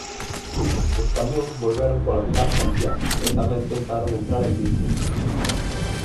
Os camións volveron colapsar Santiago e tamén tentaron entrar en Vigo.